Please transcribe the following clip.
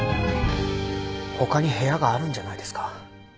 他に部屋があるんじゃないですか。